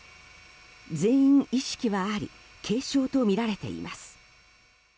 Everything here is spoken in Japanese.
全員、意識はあり軽症とみられています。